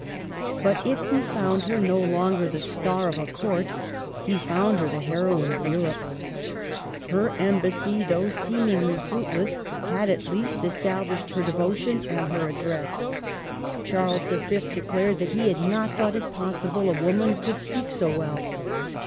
But if h4 found her no longer the star of a court, he found her the heroine of Europe. Her embassy, though seemingly fruitless, had at least established her devotion and her address. Charles V. declared he had not thought it pos sible a woman could speak so well.